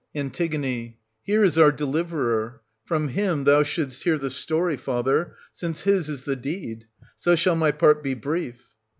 An. Here is our deliverer : from him thou shouldst hear the story, father, since his is the deed; so shall my part be brief.